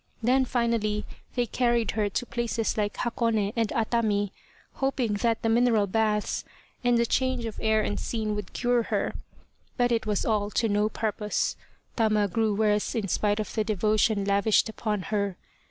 Then finally they carried her to places like Hakone and Atami, hoping that the mineral baths and the change of air and scene would cure her. But it was all to no purpose, Tama grew worse in spite of the devotion lavished upon her.